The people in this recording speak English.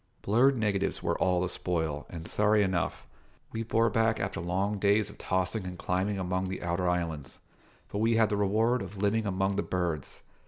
Blurred negatives were all the spoil, and, sorry enough, we bore back after long days of tossing and climbing among the Outer Islands; but we had the reward of living among the birds.